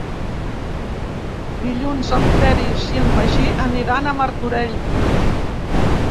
Dilluns en Peris i en Magí aniran a Martorell.